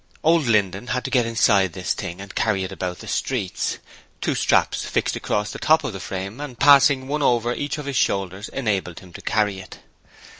Old Linden had to get inside this thing and carry it about the streets; two straps fixed across the top of the frame and passing one over each of his shoulders enabled him to carry it.